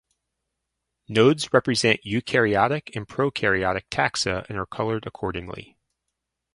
Nodes represent eukaryotic and prokaryotic taxa and are colored accordingly.